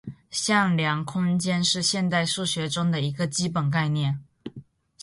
向量空间是现代数学中的一个基本概念。